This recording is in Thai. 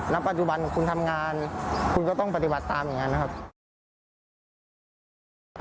ณปัจจุบันคุณทำงานคุณก็ต้องปฏิบัติตามอย่างนั้นนะครับ